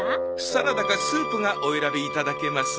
サラダかスープがお選びいただけます。